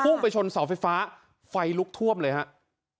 ไปชนเสาไฟฟ้าไฟลุกท่วมเลยครับ